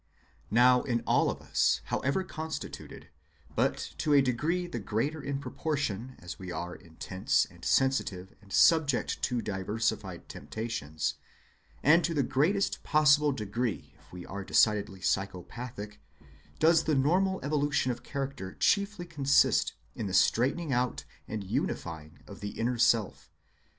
Now in all of us, however constituted, but to a degree the greater in proportion as we are intense and sensitive and subject to diversified temptations, and to the greatest possible degree if we are decidedly psychopathic, does the normal evolution of character chiefly consist in the straightening out and unifying of the inner self.